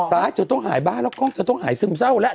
ปลาจะต้องหายบ้านแล้วก็จะต้องหายซึมเศรษฐ์แหละ